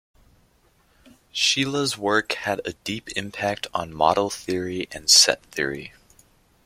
Shelah's work has had a deep impact on model theory and set theory.